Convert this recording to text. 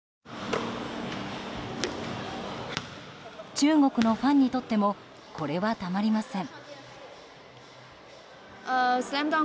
中国のファンにとってもこれはたまりません。